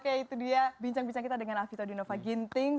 oke itu dia bincang bincang kita dengan alvito dinova ginting